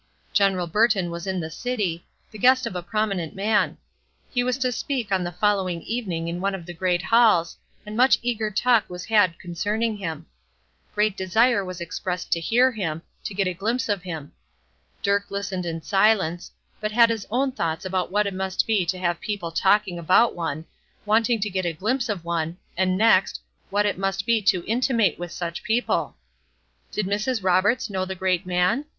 General Burton was in the city, the guest of a prominent man; he was to speak on the following evening in one of the great halls, and much eager talk was had concerning him; great desire was expressed to hear him, to get a glimpse of him. Dirk listened in silence, but had his own thoughts about what it must be to have people talking about one, wanting to get a glimpse of one, and next, what it must be to be intimate with such people. Did Mrs. Roberts know the great man?